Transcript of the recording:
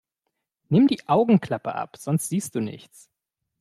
Nimm die Augenklappe ab, sonst siehst du nichts!